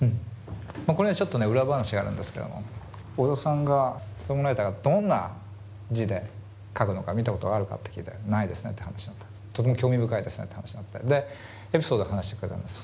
これはちょっとね裏話があるんですけども小田さんがソングライターがどんな字で書くのか見たことがあるかって聞いたらないですねって話になってとても興味深いですねって話になってでエピソード話してくれたんです。